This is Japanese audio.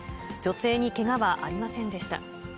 女性にけがはありませんでした。